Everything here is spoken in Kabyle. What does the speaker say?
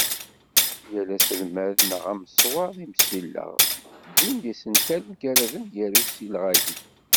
Yal aselmad neɣ amaswaḍ imsileɣ, wwin-d isental mgaraden, deg usileɣ-agi.